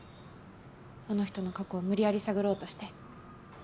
あの人の過去を無理やり探ろうとして。